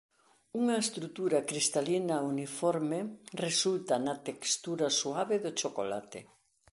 Unha estrutura cristalina uniforme resulta na textura suave do chocolate.